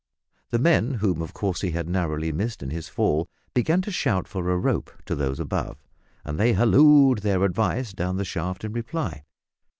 The men, whom of course he had narrowly missed in his fall, began to shout for a rope to those above, and they hallooed their advice down the shaft in reply.